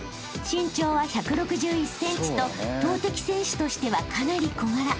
［身長は１６１ｃｍと投てき選手としてはかなり小柄］